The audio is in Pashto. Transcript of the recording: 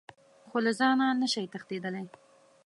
خو له ځانه نه شئ تښتېدلی .